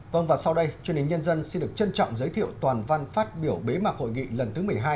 vâng và sau đây truyền hình nhân dân xin được trân trọng giới thiệu toàn văn phát biểu bế mạc hội nghị lần thứ một mươi hai